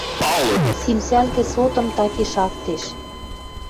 Симсӓлгӹ сотым таки шактеш.